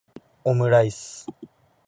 オムライス